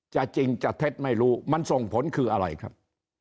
จริงจะเท็จไม่รู้มันส่งผลคืออะไรครับ